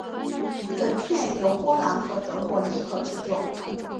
本片由波兰和德国联合制作。